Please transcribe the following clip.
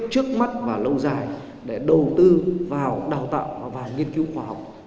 trước mắt và lâu dài để đầu tư vào đào tạo và nghiên cứu khoa học